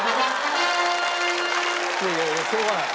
いやいやしょうがない。